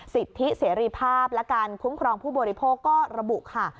สิทธิเสรีภาพและการคุ้มครองผู้บริโภคก็ระบุค่ะ